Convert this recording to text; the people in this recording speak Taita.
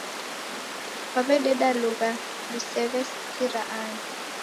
Kwaw'ededa lugha nisew'esikira ini